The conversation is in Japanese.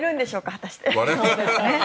果たして。